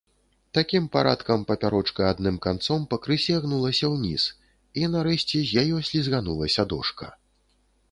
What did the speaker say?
Такім парадкам папярочка адным канцом пакрысе гнулася ўніз, і нарэшце з яе слізганулася дошка.